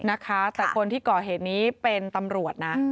นะคะแต่คนที่ก่อเหตุนี้เป็นตำรวจนะ